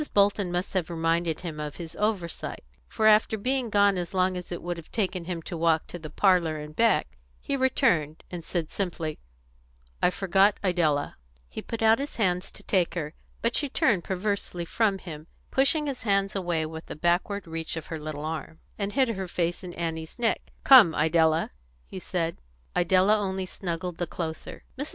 Bolton must have reminded him of his oversight, for after being gone so long as it would have taken him to walk to her parlour and back, he returned, and said simply, "I forgot Idella." He put out his hands to take her, but she turned perversely from him, and hid her face in Annie's neck, pushing his hands away with a backward reach of her little arm. "Come, Idella!" he said. Idella only snuggled the closer. Mrs.